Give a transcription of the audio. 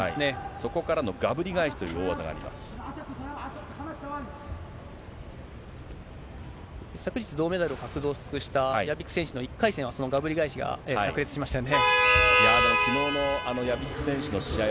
そこからのがぶり返しという昨日、銅メダルを獲得したは、１回戦はそのがぶり返しがさく裂しましたよね。